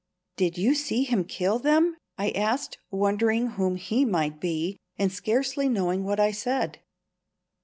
"Did you see him kill them?" I asked, wondering whom "he" might be, and scarcely knowing what I said.